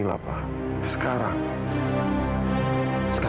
aku suka kamu sih